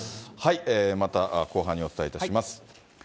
また後半にお伝えします。